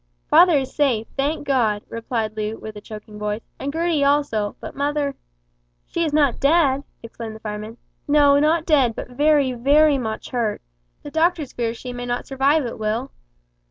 "Father is safe, thank God," replied Loo, with a choking voice, "and Gertie also, but mother " "She is not dead?" exclaimed the fireman. "No, not dead, but very very much hurt. The doctors fear she may not survive it, Will."